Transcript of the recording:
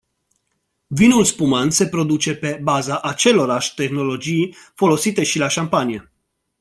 Vinul spumant se produce pe baza acelorași tehnologii folosite și la șampanie.